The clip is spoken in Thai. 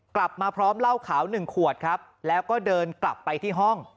กลับมาพร้อมเหล้าขาวหนึ่งขวดครับแล้วก็เดินกลับไปที่ห้อง